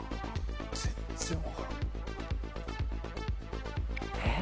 全然分からん。